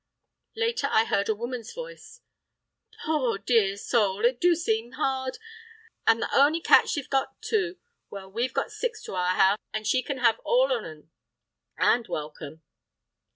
Later, I heard a woman's voice: "Poor dear soul, it do seem hard; and the on'y cat she've got, too! Well, we've six to our house, and she can have all of ourn and welcome."